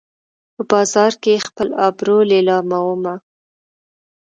په بازار کې خپل ابرو لیلامومه